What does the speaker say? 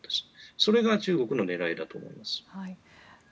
それが中国の狙いだと思うんです。